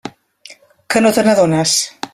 Que no te n'adones?